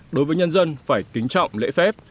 đối với nhân dân phải kính trọng lễ phép